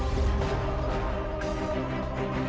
assalamualaikum warahmatullahi wabarakatuh